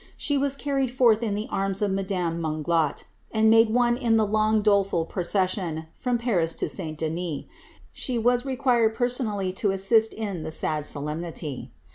She was carried forth in the arms of madamc de Monglat, and made one in the long, doleful procession from Paris to St. Denis. She was required personally to assist in the sad so lemniiy.